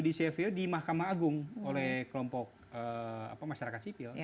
judicial review di mahkamah agung oleh kelompok masyarakat sipil